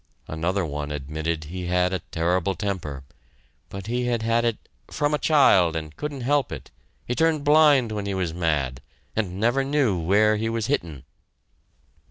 Another one admitted he had a terrible temper, but he had had it "from a child and couldn't help it he turned blind when he was mad, and never knew where he was hittin'!"